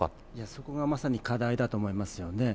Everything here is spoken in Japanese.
そこがまさに課題だと思いますよね。